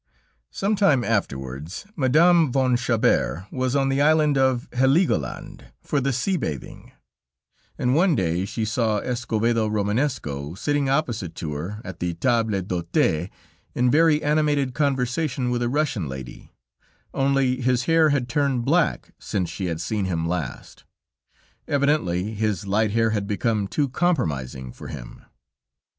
Some time afterwards, Madame von Chabert was on the island of Heligoland, for the sea bathing; and one day she saw Escovedo Romanesco sitting opposite to her at the table d'hôte, in very animated conversation with a Russian lady; only his hair had turned black since she had seen him last. Evidently his light hair had become too compromising for him.